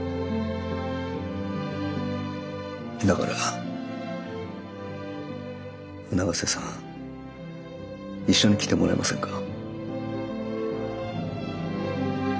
だから永瀬さん一緒に来てもらえませんか？